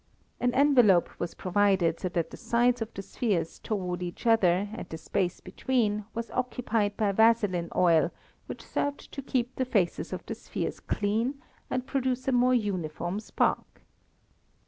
An envelope was provided so that the sides of the spheres toward each other and the space between was occupied by vaseline oil which served to keep the faces of the spheres clean and produce a more uniform spark.